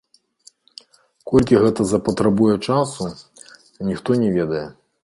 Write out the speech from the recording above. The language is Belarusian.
Колькі гэта запатрабуе часу, ніхто не ведае.